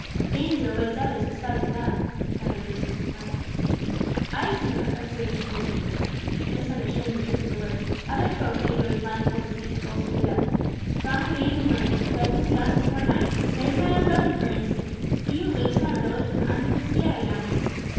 "Danger awaits others besides them," muttered Lucius Lepine. "Ay, señor," observed the herdsman, misunderstanding the drift of the words; "other folk may go as blindfold as these bulls to their death, strong and gay in the morning, dragged in the dust before night. There's my own brother, for instance, he who lives in our village under the sierra yonder.